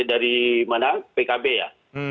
dari mana pkb ya